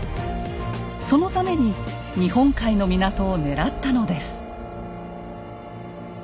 そのために日本海の港を狙ったのです。